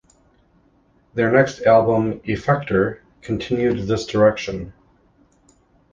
Their next album "Effector" continued this direction.